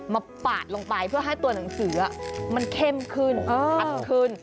ปาดลงไปเพื่อให้ตัวหนังสือมันเข้มขึ้นชัดขึ้น